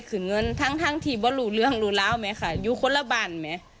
เดือดร้อน